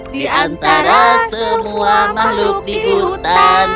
di antara semua makhluk di hutan